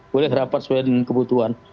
boleh rapat sesuai dengan kebutuhan